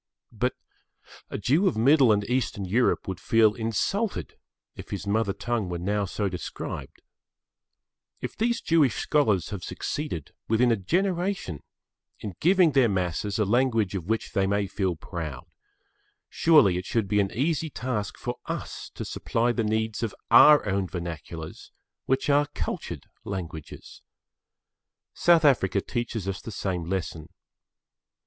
But a Jew of Middle and Eastern Europe would feel insulted if his mother tongue were now so described. If these Jewish scholars have succeeded, within a generation, in giving their masses a language of which they may feel proud, surely it should be an easy task for us to supply the needs of our own vernaculars which are cultured languages. South Africa teaches us the same lesson.